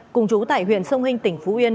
cùng trú tại huyện sông hinh tỉnh phú yên